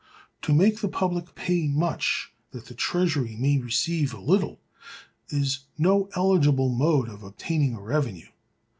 To make the public pay much, that the treasury may receive a little, is no eligible mode of obtaining a revenue.